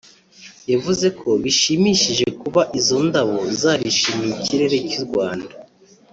yavuze ko bishimishije kuba izo ndabo zarishimiye ikirere cy’u Rwanda